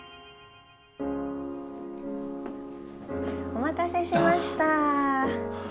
お待たせしました。